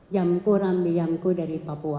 yamko rambi yamko dari papua